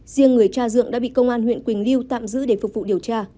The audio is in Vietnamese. riêng người tra dựa đã bị công an huyện quỳnh liêu tạm giữ để phục vụ điều tra